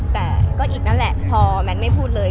แต่ก็อีกนั่นแหละพอแมทไม่พูดเลย